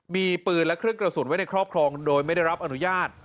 มีปืนและเครื่องกระสุนไว้ในครอบครองโดยไม่ได้รับอนุญาต